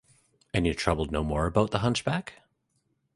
And you troubled no more about the hunchback?